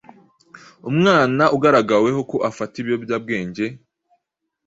Umwana ugaragaweho ko afata ibiyobyabwenge,